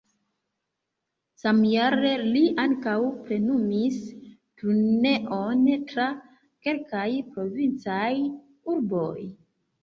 Samjare li ankaŭ plenumis turneon tra kelkaj provincaj urboj.